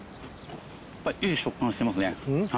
いい食感してますねはい。